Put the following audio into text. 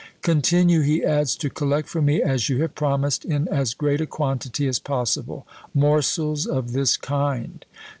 "Continue," he adds, "to collect for me as you have promised, in as great a quantity as possible, morsels of this kind."